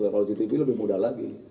kalau ctv lebih mudah lagi